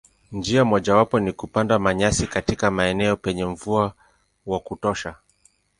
Njia mojawapo ni kupanda manyasi katika maeneo penye mvua wa kutosha.